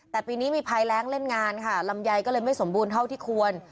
แต่ปีนี้มีภัยแรงเล่นงานค่ะลำไยก็เลยไม่สมบูรณ์เท่าที่ควร